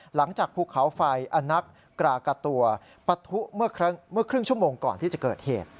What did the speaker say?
หลังจากภูเขาไฟอนักกรากะตัวปะทุเมื่อครึ่งชั่วโมงก่อนที่จะเกิดเหตุ